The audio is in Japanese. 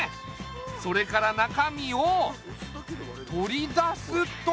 それから中身を取り出すと。